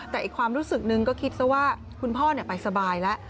แต่อีกความรู้สึกนึงก็คิดซะว่าคุณพ่อไปสบายแล้ว